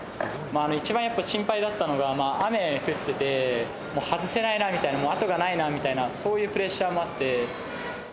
一番やっぱ心配だったのが、雨降ってて、外せないなみたいな、あとがないなみたいな、そういうプレッシャーもあって。